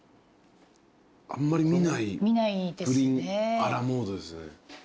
あんまり見ないプリン・ア・ラ・モードですね。